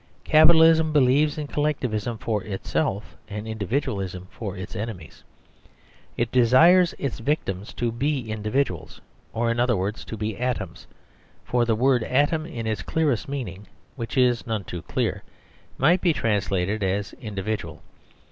Capitalism believes in collectivism for itself and individualism for its enemies. It desires its victims to be individ uals, or (in other words) to be atoms. For the word atom, in its clearest meaning (which is none too clear) might be translated as ^'in . dividual."